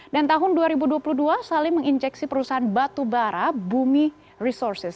dan tahun dua ribu dua puluh dua salim menginjeksi perusahaan batubara bumi resources